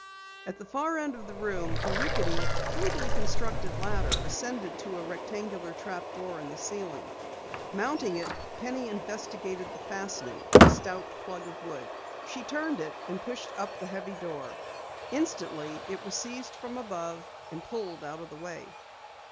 At the far end of the room a rickety, crudely constructed ladder ascended to a rectangular trap door in the ceiling. Mounting it, Penny investigated the fastening, a stout plug of wood. She turned it and pushed up the heavy door. Instantly, it was seized from above and pulled out of the way.